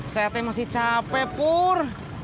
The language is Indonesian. sehatnya masih cape pur